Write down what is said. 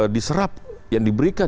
diserap yang diberikan